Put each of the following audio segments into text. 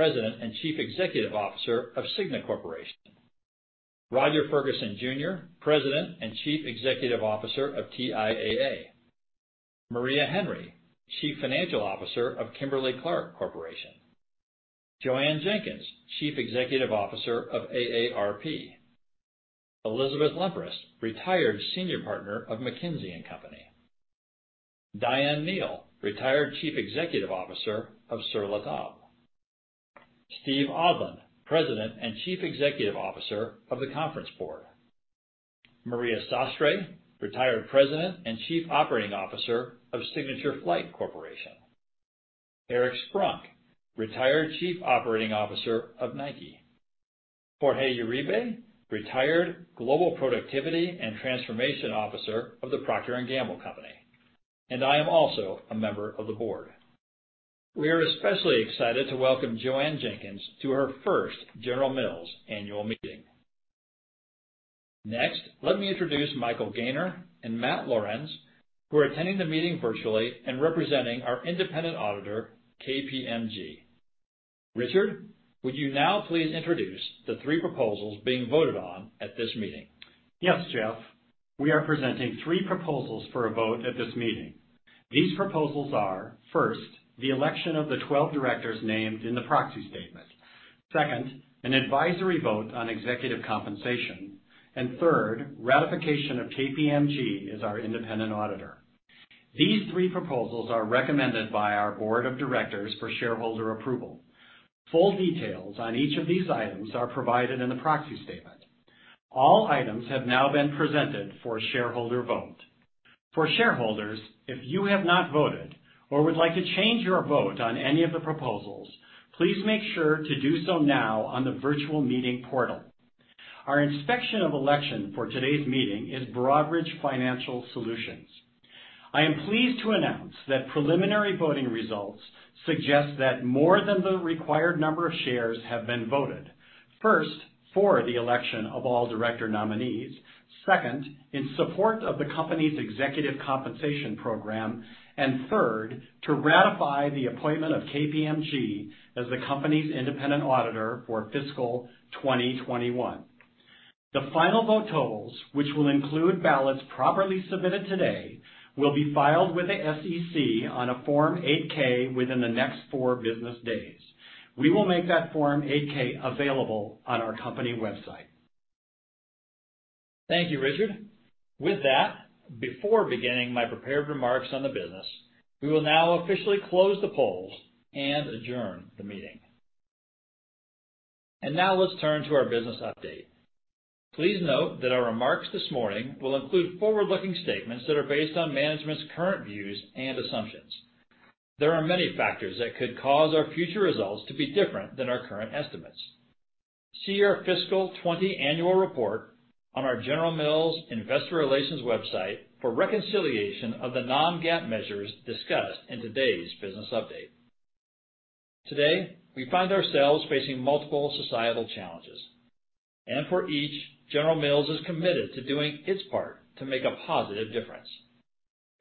President and Chief Executive Officer of Cigna Corporation. Roger Ferguson Jr., President and Chief Executive Officer of TIAA. Maria Henry, Chief Financial Officer of Kimberly-Clark Corporation. Jo Ann Jenkins, Chief Executive Officer of AARP. Elizabeth Lempres, retired Senior Partner of McKinsey & Company. Diane Neal, retired Chief Executive Officer of Sur La Table. Steve Odland, President and Chief Executive Officer of The Conference Board. Maria Sastre, retired President and Chief Operating Officer of Signature Flight Support. Eric Sprunk, retired Chief Operating Officer of Nike. Jorge Uribe, retired Global Productivity and Transformation Officer of The Procter & Gamble Company. I am also a member of the board. We are especially excited to welcome Jo Ann Jenkins to her first General Mills annual meeting. Next, let me introduce Michael Gaynor and Matt Lorenz, who are attending the meeting virtually and representing our independent Auditor, KPMG. Richard, would you now please introduce the three proposals being voted on at this meeting? Yes, Jeff. We are presenting three proposals for a vote at this meeting. These proposals are, first, the election of the 12 directors named in the proxy statement. Second, an advisory vote on executive compensation. Third, ratification of KPMG as our independent auditor. These three proposals are recommended by our board of directors for shareholder approval. Full details on each of these items are provided in the proxy statement. All items have now been presented for shareholder vote. For shareholders, if you have not voted or would like to change your vote on any of the proposals, please make sure to do so now on the virtual meeting portal. Our inspector of election for today's meeting is Broadridge Financial Solutions. I am pleased to announce that preliminary voting results suggest that more than the required number of shares have been voted. First, for the election of all director nominees. Second, in support of the company's executive compensation program. Third, to ratify the appointment of KPMG as the company's independent auditor for fiscal 2021. The final vote totals, which will include ballots properly submitted today, will be filed with the SEC on a Form 8-K within the next four business days. We will make that Form 8-K available on our company website. Thank you, Richard. With that, before beginning my prepared remarks on the business, we will now officially close the polls and adjourn the meeting. Now let's turn to our business update. Please note that our remarks this morning will include forward-looking statements that are based on management's current views and assumptions. There are many factors that could cause our future results to be different than our current estimates. See our fiscal 2020 Annual Report on our General Mills Investor Relations website for reconciliation of the non-GAAP measures discussed in today's business update. Today, we find ourselves facing multiple societal challenges. For each, General Mills is committed to doing its part to make a positive difference.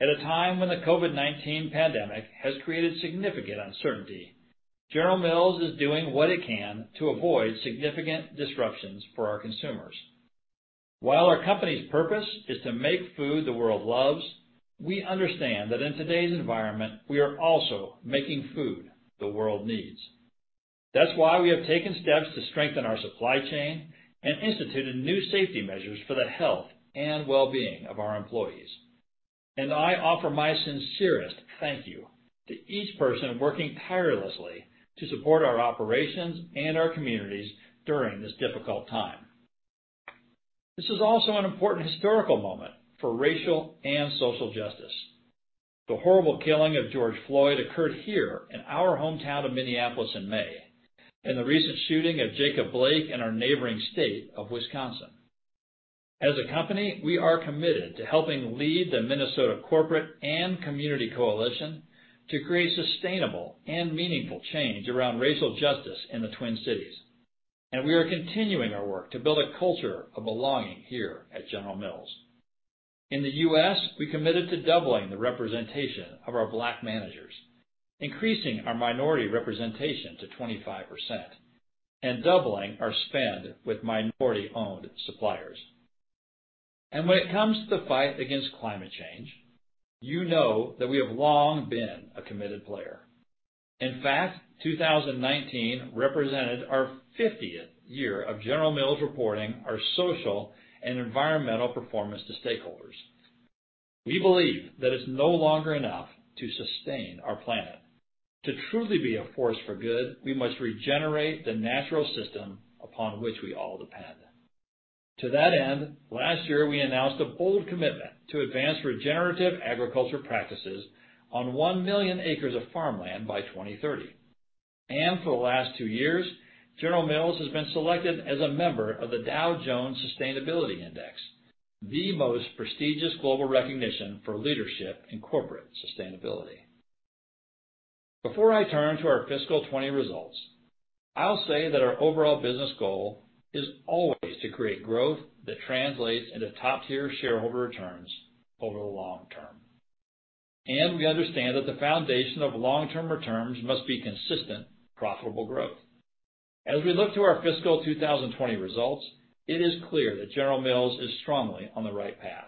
At a time when the COVID-19 pandemic has created significant uncertainty, General Mills is doing what it can to avoid significant disruptions for our consumers. While our company's purpose is to make food the world loves, we understand that in today's environment, we are also making food the world needs. That's why we have taken steps to strengthen our supply chain and instituted new safety measures for the health and well-being of our employees. I offer my sincerest thank you to each person working tirelessly to support our operations and our communities during this difficult time. This is also an important historical moment for racial and social justice. The horrible killing of George Floyd occurred here in our hometown of Minneapolis in May, and the recent shooting of Jacob Blake in our neighboring state of Wisconsin. As a company, we are committed to helping lead the Minnesota Corporate & Community Coalition to create sustainable and meaningful change around racial justice in the Twin Cities. We are continuing our work to build a culture of belonging here at General Mills. In the U.S., we committed to doubling the representation of our Black managers, increasing our minority representation to 25%, and doubling our spend with minority-owned suppliers. When it comes to the fight against climate change, you know that we have long been a committed player. In fact, 2019 represented our 50th year of General Mills reporting our social and environmental performance to stakeholders. We believe that it's no longer enough to sustain our planet. To truly be a force for good, we must regenerate the natural system upon which we all depend. To that end, last year we announced a bold commitment to advance regenerative agriculture practices on 1 million acres of farmland by 2030. For the last two years, General Mills has been selected as a member of the Dow Jones Sustainability Index, the most prestigious global recognition for leadership in corporate sustainability. Before I turn to our fiscal 2020 results, I'll say that our overall business goal is always to create growth that translates into top-tier shareholder returns over the long term. We understand that the foundation of long-term returns must be consistent, profitable growth. As we look to our fiscal 2020 results, it is clear that General Mills is strongly on the right path.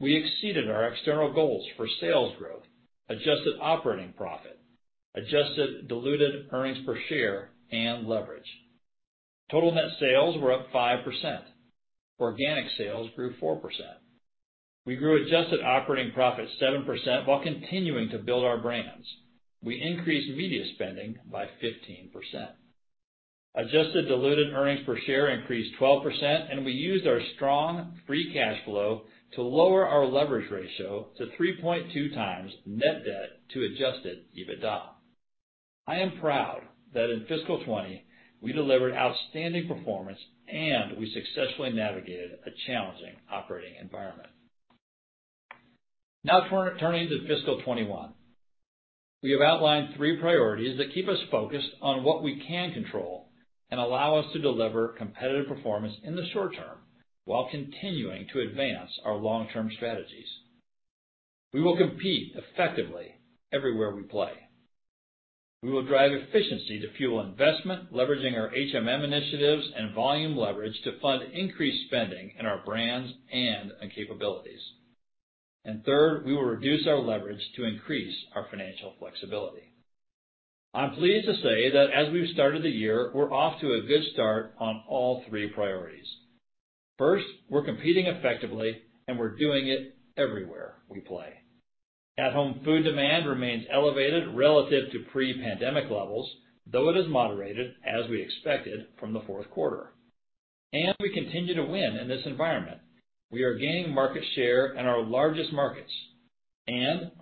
We exceeded our external goals for sales growth, Adjusted operating profit, Adjusted Diluted Earnings Per Share, and leverage. Total net sales were up 5%. Organic sales grew 4%. We grew Adjusted operating profit 7% while continuing to build our brands. We increased media spending by 15%. Adjusted Diluted Earnings Per Share increased 12%, and we used our strong Free Cash Flow to lower our leverage ratio to 3.2 times Net Debt to Adjusted EBITDA. I am proud that in fiscal 2020 we delivered outstanding performance and we successfully navigated a challenging operating environment. Now turning to fiscal 2021. We have outlined three priorities that keep us focused on what we can control and allow us to deliver competitive performance in the short term while continuing to advance our long-term strategies. We will compete effectively everywhere we play. We will drive efficiency to fuel investment, leveraging our HMM initiatives and volume leverage to fund increased spending in our brands and in capabilities. Third, we will reduce our leverage to increase our financial flexibility. I'm pleased to say that as we've started the year, we're off to a good start on all three priorities. First, we're competing effectively, we're doing it everywhere we play. At-home food demand remains elevated relative to pre-pandemic levels, though it has moderated as we expected from the fourth quarter. We continue to win in this environment. We are gaining market share in our largest markets,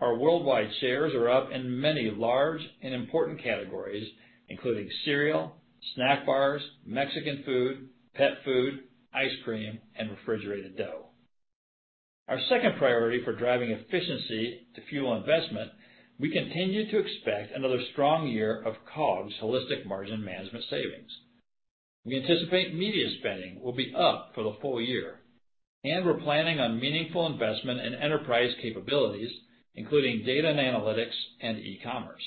our worldwide shares are up in many large and important categories, including cereal, snack bars, Mexican food, pet food, ice cream, and refrigerated dough. Our second priority for driving efficiency to fuel investment, we continue to expect another strong year of COGS holistic margin management savings. We anticipate media spending will be up for the full year. We're planning on meaningful investment in enterprise capabilities, including data and analytics and e-commerce.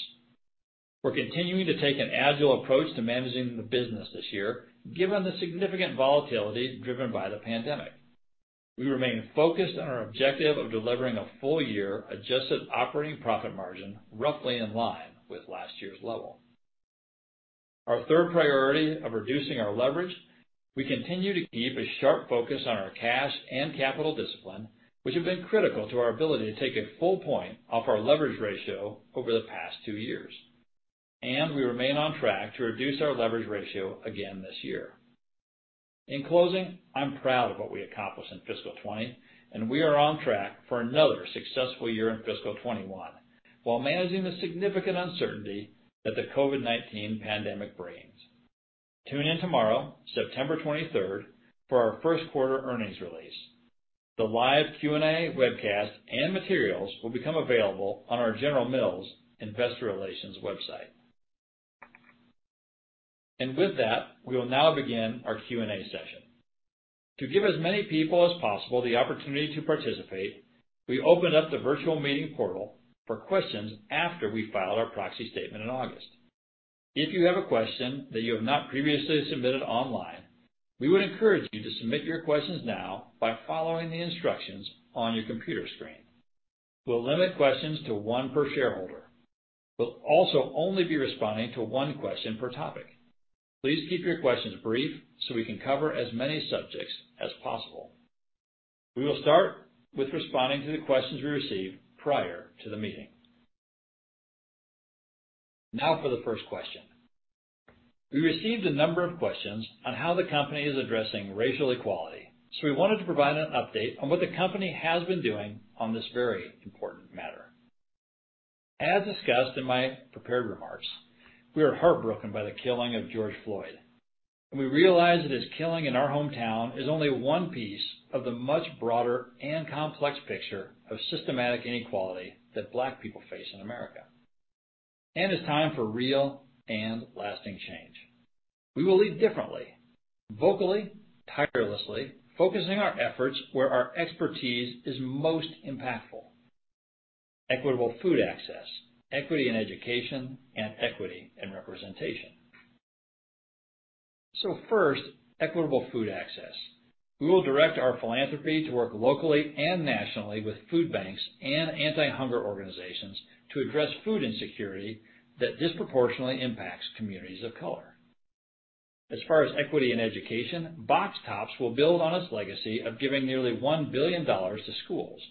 We're continuing to take an agile approach to managing the business this year, given the significant volatility driven by the pandemic. We remain focused on our objective of delivering a full year Adjusted operating profit margin roughly in line with last year's level. Our third priority of reducing our leverage, we continue to keep a sharp focus on our cash and capital discipline, which have been critical to our ability to take a full point off our leverage ratio over the past two years. We remain on track to reduce our leverage ratio again this year. In closing, I'm proud of what we accomplished in fiscal 2020, and we are on track for another successful year in fiscal 2021, while managing the significant uncertainty that the COVID-19 pandemic brings. Tune in tomorrow, September 23rd, for our first quarter earnings release. The live Q&A webcast and materials will become available on our General Mills Investor Relations website. With that, we will now begin our Q&A session. To give as many people as possible the opportunity to participate, we opened up the virtual meeting portal for questions after we filed our proxy statement in August. If you have a question that you have not previously submitted online, we would encourage you to submit your questions now by following the instructions on your computer screen. We'll limit questions to one per shareholder. We'll also only be responding to one question per topic. Please keep your questions brief so we can cover as many subjects as possible. We will start with responding to the questions we received prior to the meeting. Now for the first question. We received a number of questions on how the company is addressing racial equality, so we wanted to provide an update on what the company has been doing on this very important matter. As discussed in my prepared remarks, we are heartbroken by the killing of George Floyd, and we realize that his killing in our hometown is only one piece of the much broader and complex picture of systematic inequality that Black people face in America, and it's time for real and lasting change. We will lead differently, vocally, tirelessly, focusing our efforts where our expertise is most impactful, equitable food access, equity in education, and equity in representation. First, equitable food access. We will direct our philanthropy to work locally and nationally with food banks and anti-hunger organizations to address food insecurity that disproportionately impacts communities of color. As far as equity in education, Box Tops will build on its legacy of giving nearly $1 billion to schools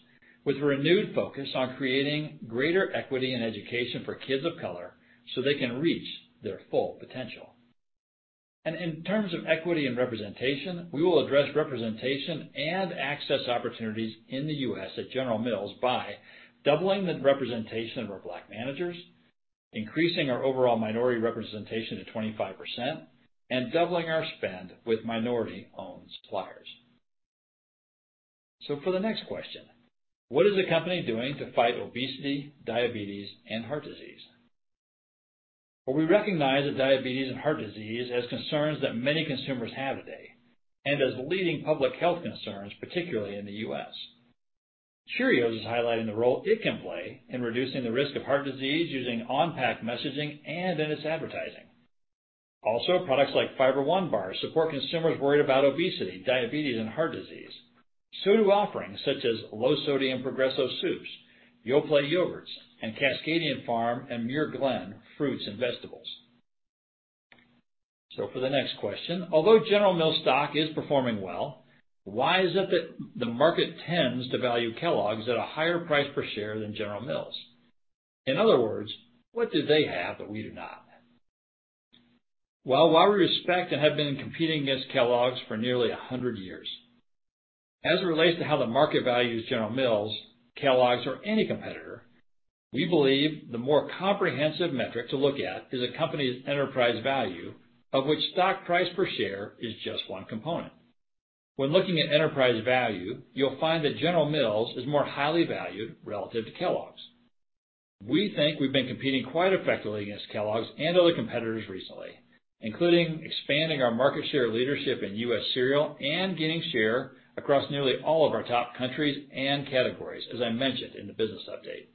with a renewed focus on creating greater equity in education for kids of color so they can reach their full potential. In terms of equity in representation, we will address representation and access opportunities in the U.S. at General Mills by doubling the representation of our Black managers, increasing our overall minority representation to 25%, and doubling our spend with minority-owned suppliers. For the next question, ''What is the company doing to fight obesity, diabetes, and heart disease?'' Well, we recognize that diabetes and heart disease as concerns that many consumers have today, and as leading public health concerns, particularly in the U.S. Cheerios is highlighting the role it can play in reducing the risk of heart disease using on-pack messaging and in its advertising. Also, products like Fiber One bars support consumers worried about obesity, diabetes, and heart disease. So do offerings such as low-sodium Progresso soups, Yoplait yogurts, and Cascadian Farm and Muir Glen fruits and vegetables. So for the next question, ''Although General Mills stock is performing well, why is it that the market tends to value Kellogg's at a higher price per share than General Mills?'' In other words, what do they have that we do not? Well, while we respect and have been competing against Kellogg's for nearly 100 years, as it relates to how the market values General Mills, Kellogg's, or any competitor, we believe the more comprehensive metric to look at is a company's enterprise value, of which stock price per share is just one component. When looking at enterprise value, you'll find that General Mills is more highly valued relative to Kellogg's. We think we've been competing quite effectively against Kellogg's and other competitors recently, including expanding our market share leadership in U.S. cereal and gaining share across nearly all of our top countries and categories, as I mentioned in the business update.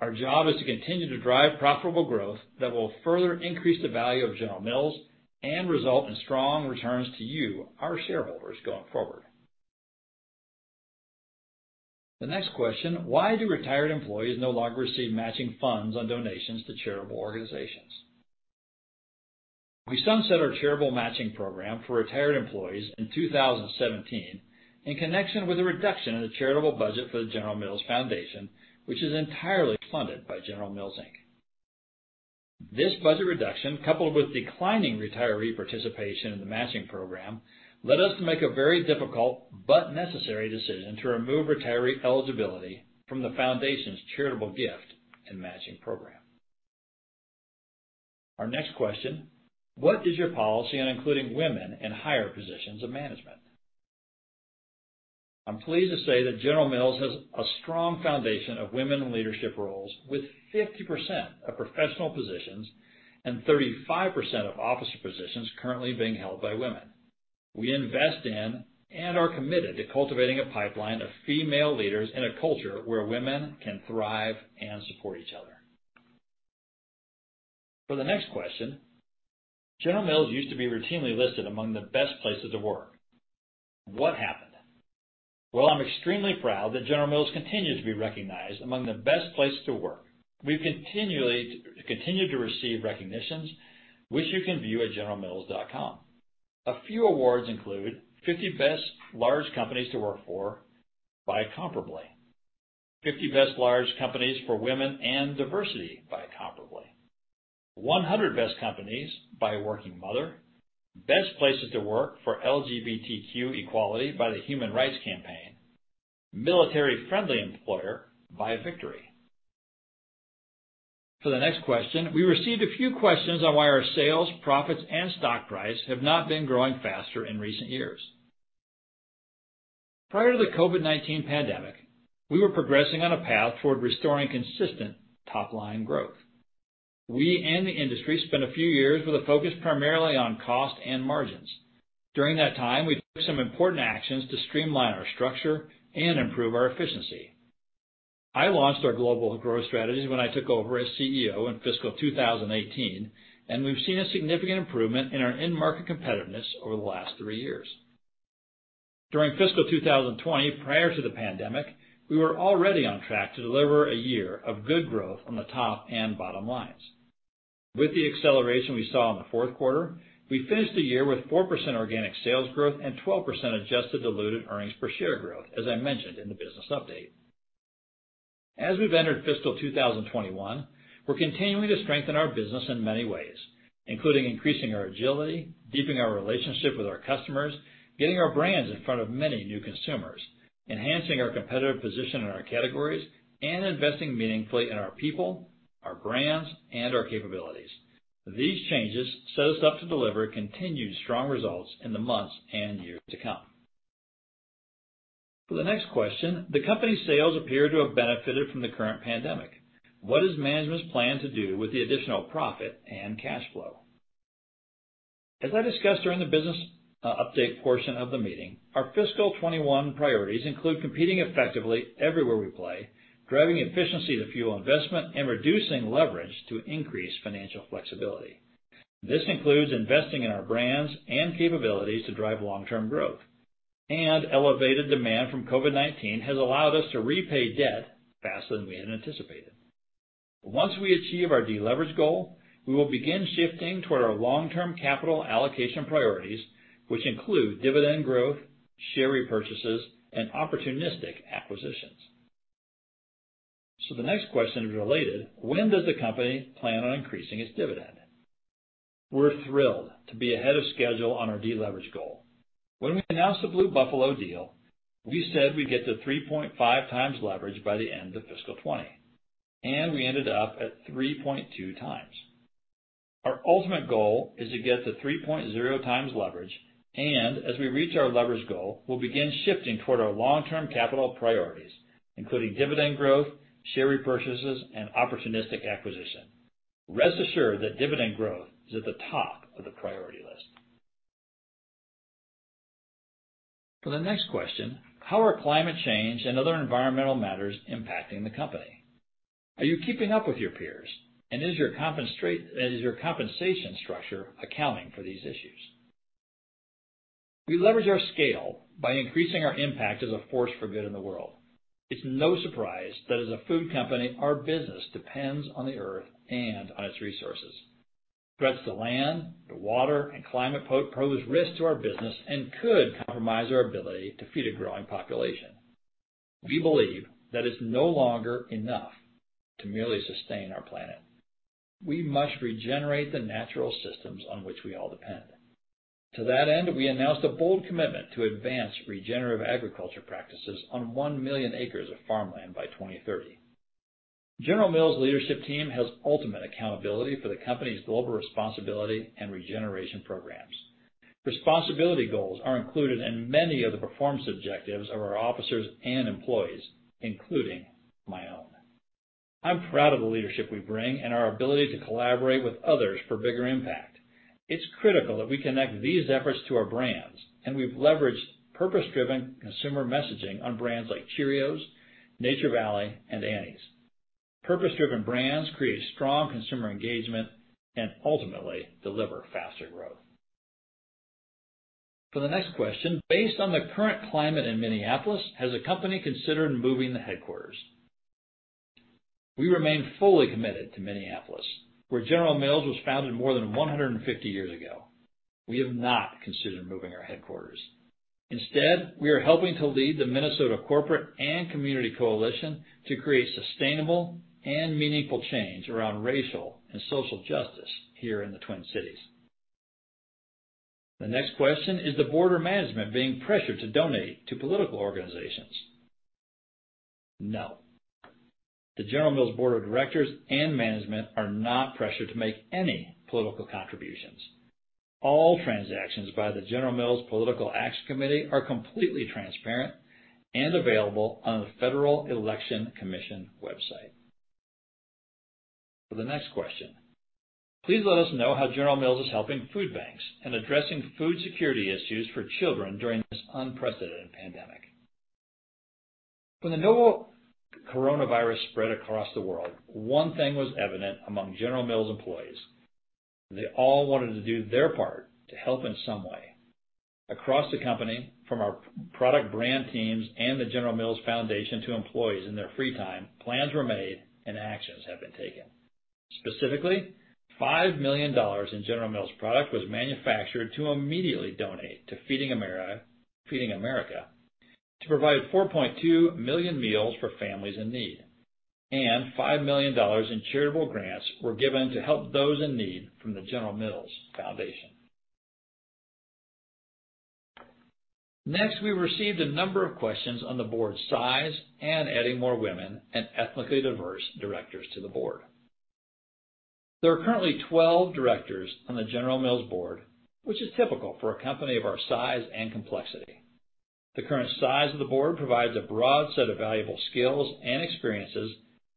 Our job is to continue to drive profitable growth that will further increase the value of General Mills and result in strong returns to you, our shareholders, going forward. The next question, ''Why do retired employees no longer receive matching funds on donations to charitable organizations? We sunset our charitable matching program for retired employees in 2017 in connection with a reduction in the charitable budget for the General Mills Foundation, which is entirely funded by General Mills, Inc. This budget reduction, coupled with declining retiree participation in the matching program, led us to make a very difficult but necessary decision to remove retiree eligibility from the Foundation's charitable gift and matching program. Our next question, ''What is your policy on including women in higher positions of management?'' I'm pleased to say that General Mills has a strong Foundation of women in leadership roles with 50% of professional positions and 35% of officer positions currently being held by women. We invest in and are committed to cultivating a pipeline of female leaders in a culture where women can thrive and support each other. For the next question, ''General Mills used to be routinely listed among the best places to work. What happened?'' Well, I'm extremely proud that General Mills continues to be recognized among the best places to work. We've continued to receive recognitions, which you can view at generalmills.com. A few awards include 50 Best Large Companies to Work For by Comparably, 50 Best Large Companies for Women and Diversity by Comparably, 100 Best Companies by Working Mother, Best Places to Work for LGBTQ Equality by the Human Rights Campaign, Military Friendly Employer by VIQTORY. For the next question, we received a few questions on why our sales, profits, and stock price have not been growing faster in recent years. Prior to the COVID-19 pandemic, we were progressing on a path toward restoring consistent top-line growth. We and the industry spent a few years with a focus primarily on cost and margins. During that time, we took some important actions to streamline our structure and improve our efficiency. I launched our global growth strategy when I took over as CEO in fiscal 2018, and we've seen a significant improvement in our in-market competitiveness over the last three years. During fiscal 2020, prior to the pandemic, we were already on track to deliver a year of good growth on the top and bottom lines. With the acceleration we saw in the fourth quarter, we finished the year with 4% organic sales growth and 12% Adjusted Diluted Earnings Per Share growth, as I mentioned in the business update. As we've entered fiscal 2021, we're continuing to strengthen our business in many ways, including increasing our agility, deepening our relationship with our customers, getting our brands in front of many new consumers, enhancing our competitive position in our categories, and investing meaningfully in our people, our brands, and our capabilities. These changes set us up to deliver continued strong results in the months and years to come. For the next question, the company's sales appear to have benefited from the current pandemic. What is management's plan to do with the additional profit and cash flow? As I discussed during the business update portion of the meeting, our fiscal 2021 priorities include competing effectively everywhere we play, driving efficiency to fuel investment, and reducing leverage to increase financial flexibility. This includes investing in our brands and capabilities to drive long-term growth, and elevated demand from COVID-19 has allowed us to repay debt faster than we had anticipated. Once we achieve our de-leverage goal, we will begin shifting toward our long-term capital allocation priorities, which include dividend growth, share repurchases, and opportunistic acquisitions. The next question is related. When does the company plan on increasing its dividend? We're thrilled to be ahead of schedule on our de-leverage goal. When we announced the Blue Buffalo deal, we said we'd get to 3.5 times leverage by the end of fiscal 2020, and we ended up at 3.2 times. Our ultimate goal is to get to 3.0 times leverage, and as we reach our leverage goal, we'll begin shifting toward our long-term capital priorities, including dividend growth, share repurchases, and opportunistic acquisition. Rest assured that dividend growth is at the top of the priority list. For the next question, "How are climate change and other environmental matters impacting the company? Are you keeping up with your peers? And is your compensation structure accounting for these issues?" We leverage our scale by increasing our impact as a force for good in the world. It's no surprise that as a food company, our business depends on the Earth and on its resources. Threats to land, to water, and climate pose risks to our business and could compromise our ability to feed a growing population. We believe that it's no longer enough to merely sustain our planet. We must regenerate the natural systems on which we all depend. To that end, we announced a bold commitment to advance regenerative agriculture practices on 1 million acres of farmland by 2030. General Mills' leadership team has ultimate accountability for the company's global responsibility and regeneration programs. Responsibility goals are included in many of the performance objectives of our officers and employees, including my own. I'm proud of the leadership we bring and our ability to collaborate with others for bigger impact. It's critical that we connect these efforts to our brands, and we've leveraged purpose-driven consumer messaging on brands like Cheerios, Nature Valley, and Annie's. Purpose-driven brands create strong consumer engagement and ultimately deliver faster growth. For the next question, "Based on the current climate in Minneapolis, has the company considered moving the headquarters?" We remain fully committed to Minneapolis, where General Mills was founded more than 150 years ago. We have not considered moving our headquarters. Instead, we are helping to lead the Minnesota Corporate & Community Coalition to create sustainable and meaningful change around racial and social justice here in the Twin Cities. The next question, "Is the board or management being pressured to donate to political organizations?" No. The General Mills board of directors and management are not pressured to make any political contributions. All transactions by the General Mills Political Action Committee are completely transparent and available on the Federal Election Commission website. For the next question, "Please let us know how General Mills is helping food banks and addressing food security issues for children during this unprecedented pandemic." When the novel coronavirus spread across the world, one thing was evident among General Mills employees. They all wanted to do their part to help in some way. Across the company, from our product brand teams and the General Mills Foundation to employees in their free time, plans were made and actions have been taken. Specifically, $5 million in General Mills product was manufactured to immediately donate to Feeding America to provide 4.2 million meals for families in need, and $5 million in charitable grants were given to help those in need from the General Mills Foundation. Next, we received a number of questions on the board's size and adding more women and ethnically diverse directors to the board. There are currently 12 directors on the General Mills board, which is typical for a company of our size and complexity. The current size of the board provides a broad set of valuable skills and experiences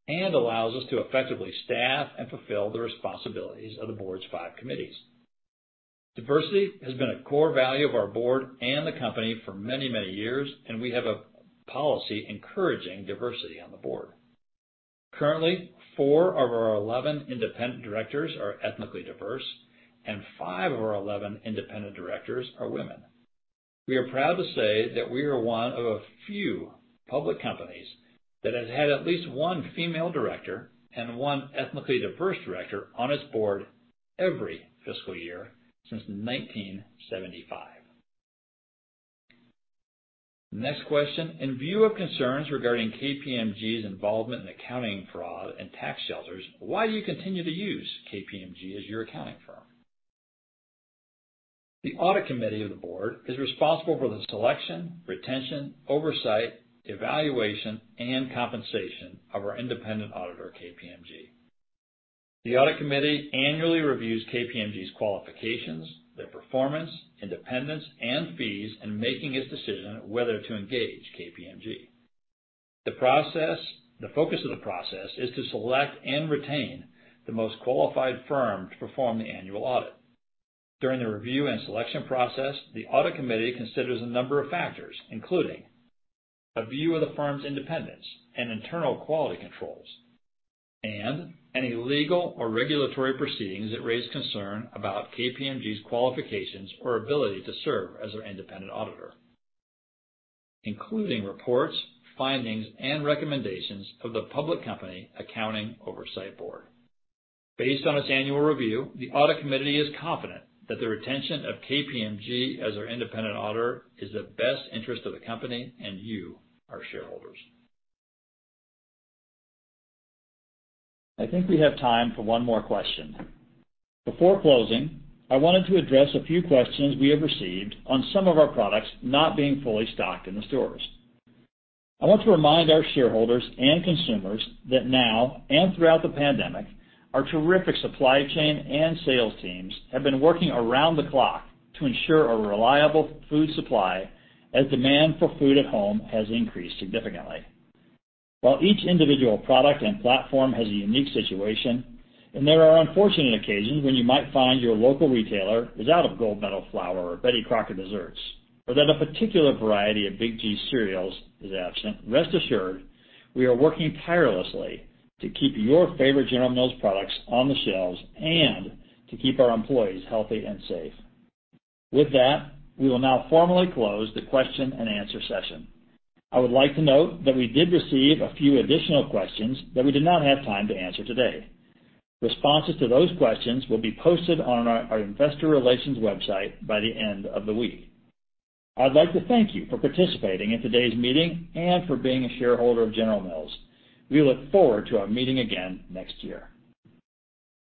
and allows us to effectively staff and fulfill the responsibilities of the board's five committees. Diversity has been a core value of our board and the company for many, many years, and we have a policy encouraging diversity on the board. Currently, four of our 11 independent directors are ethnically diverse, and five of our 11 independent directors are women. We are proud to say that we are one of a few public companies that has had at least one female director and one ethnically diverse director on its board every fiscal year since 1975. Next question, "In view of concerns regarding KPMG's involvement in accounting fraud and tax shelters, why do you continue to use KPMG as your accounting firm?" The audit committee of the board is responsible for the selection, retention, oversight, evaluation, and compensation of our independent auditor, KPMG. The audit committee annually reviews KPMG's qualifications, their performance, independence, and fees in making its decision whether to engage KPMG. The focus of the process is to select and retain the most qualified firm to perform the annual audit. During the review and selection process, the audit committee considers a number of factors, including a view of the firm's independence and internal quality controls and any legal or regulatory proceedings that raise concern about KPMG's qualifications or ability to serve as our independent auditor, including reports, findings, and recommendations of the Public Company Accounting Oversight Board. Based on its annual review, the audit committee is confident that the retention of KPMG as our independent auditor is the best interest of the company and you, our shareholders. I think we have time for one more question. Before closing, I wanted to address a few questions we have received on some of our products not being fully stocked in the stores. I want to remind our shareholders and consumers that now and throughout the pandemic, our terrific supply chain and sales teams have been working around the clock to ensure a reliable food supply as demand for food at home has increased significantly. While each individual product and platform has a unique situation, and there are unfortunate occasions when you might find your local retailer is out of Gold Medal flour or Betty Crocker desserts or that a particular variety of Big G cereals is absent, rest assured, we are working tirelessly to keep your favorite General Mills products on the shelves and to keep our employees healthy and safe. With that, we will now formally close the question and answer session. I would like to note that we did receive a few additional questions that we did not have time to answer today. Responses to those questions will be posted on our investor relations website by the end of the week. I'd like to thank you for participating in today's meeting and for being a shareholder of General Mills. We look forward to our meeting again next year.